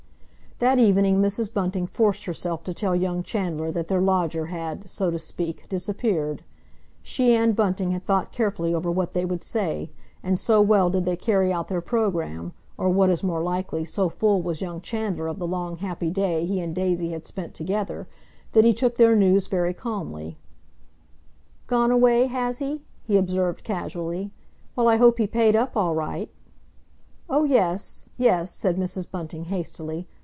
That evening Mrs. Bunting forced herself to tell young Chandler that their lodger had, so to speak, disappeared. She and Bunting had thought carefully over what they would say, and so well did they carry out their programme, or, what is more likely, so full was young Chandler of the long happy day he and Daisy had spent together, that he took their news very calmly. "Gone away, has he?" he observed casually. "Well, I hope he paid up all right?" "Oh, yes, yes," said Mrs. Bunting hastily.